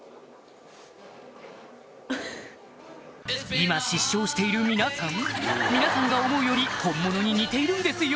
今失笑している皆さん皆さんが思うより本物に似ているんですよ